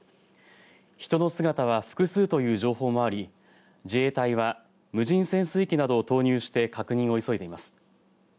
人の姿は複数という情報もあり自衛隊は無人潜水機などを投入して確認を急いでいます。